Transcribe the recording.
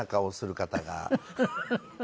フフフフ。